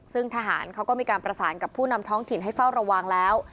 ซึ่งทหารเขาก็มีการประสานกับผู้นำท้องถิ่นให้เฝ้าระวังแล้ว